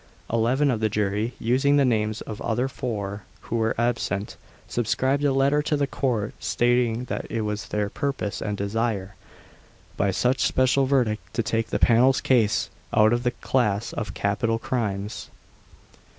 Eleven of the jury, using the names of other four who were absent, subscribed a letter to the Court, stating it was their purpose and desire, by such special verdict, to take the panel's case out of the class of capital crimes.